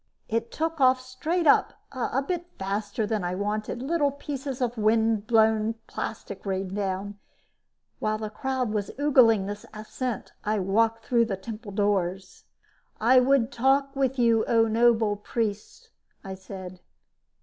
It took off straight up a bit faster than I wanted; little pieces of wind torn plastic rained down. While the crowd was ogling this ascent, I walked through the temple doors. "I would talk with you, O noble priests," I said.